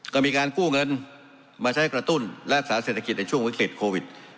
ก็มีการกู้เงินมาใช้กระตุ้นรักษาเศรษฐกิจในช่วงวิกฤตโควิด